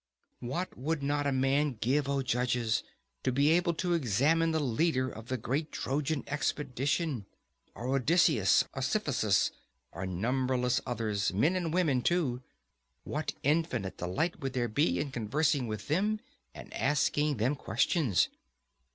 What would not a man give, O judges, to be able to examine the leader of the great Trojan expedition; or Odysseus or Sisyphus, or numberless others, men and women too! What infinite delight would there be in conversing with them and asking them questions!